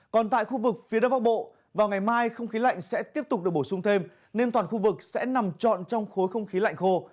còn tại khu vực phía đông bắc bộ vào ngày mai không khí lạnh sẽ tiếp tục được bổ sung thêm nên toàn khu vực sẽ nằm trọn trong khối không khí lạnh khô